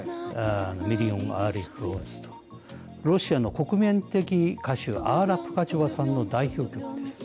ミリオンアリフロスロシアの国民的歌手アーラ・プガチョワさんの代表的な曲です。